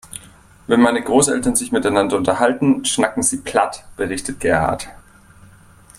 Wenn meine Großeltern sich miteinander unterhalten, schnacken sie platt, berichtet Gerhard.